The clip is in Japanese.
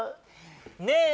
ねえ。